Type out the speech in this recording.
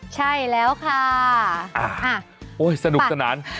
ใช่แล้วค่ะโอ้ยสนุกสนาน